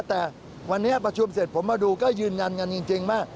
แต่วันนี้ประชุมเสร็จผมมาดูก็ยืนยันกันจริงว่า